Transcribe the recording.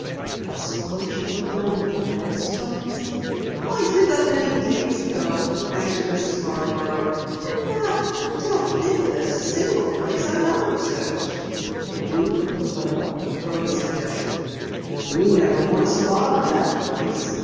"I suppose you looked under the flagstones?" "I did that many days ago," answered Mrs. Marborough. "In fact, I don't think there's a single place I haven't searched." "The roof of the well?" Rhoda suggested. "We never once thought of that place!"